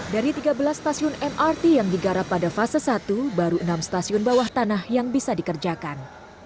dari tiga belas stasiun mrt yang digarap pada fase satu baru enam stasiun bawah tanah yang bisa dikerjakan